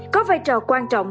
có vai trò quan trọng